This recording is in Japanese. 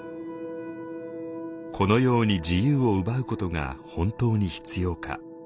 このように自由を奪うことが本当に必要か。